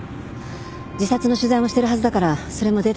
自殺の取材もしてるはずだからそれもデータで送って。